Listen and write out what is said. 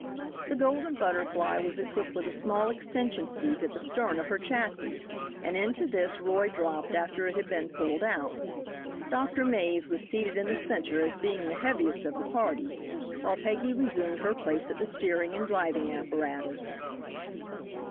The Golden Butterfly was equipped with a small extension seat at the stern of her chassis, and into this Roy dropped after it had been pulled out. Dr. Mays was seated in the centre, as being the heaviest of the party, while Peggy resumed her place at the steering and driving apparatus.